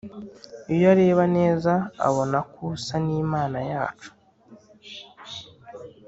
iyo areba neza abona ko usa n’imana yacu